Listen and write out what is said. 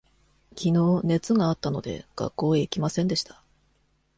きのう熱があったので、学校へ行きませんでした。